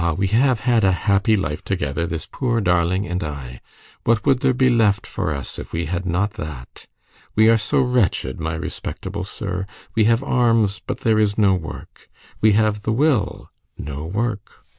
we have had a happy life together, this poor darling and I! What would there be left for us if we had not that? We are so wretched, my respectable sir! We have arms, but there is no work! We have the will, no work!